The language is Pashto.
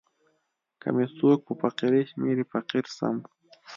که می څوک په فقیری شمېري فقیر سم.